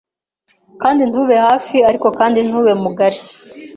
Kandi ntube hafi ariko kandi ntube mugari